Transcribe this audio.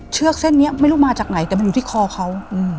เชือกเส้นนี้ไม่รู้มาจากไหนแต่มันอยู่ที่คอเขา